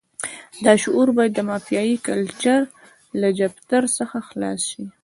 دا شعور باید د مافیایي کلچر له جفتر څخه خلاص شي.